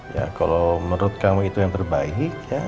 ya kalau menurut kamu itu yang terbaik ya